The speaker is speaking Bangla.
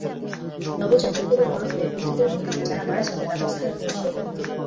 নবজাতকগুলো বড় হয়ে বৃদ্ধদের মধ্যে যারা মারা যাবে তাদের স্থান পূরণ করবে।